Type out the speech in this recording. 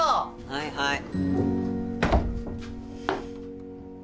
はいはい。